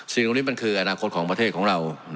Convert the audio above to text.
สิ่งตรงนี้มันคืออนาคตของประเทศของเรา